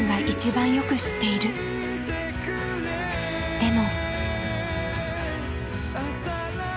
でも。